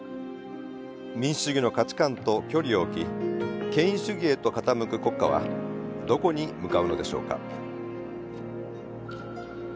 民主主義の価値観と距離を置き権威主義へと傾く国家はどこに向かうのでしょうか。